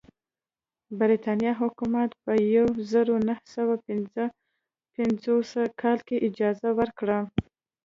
برېټانیا حکومت په یوه زرو نهه سوه پنځه پنځوسم کال کې اجازه ورکړه.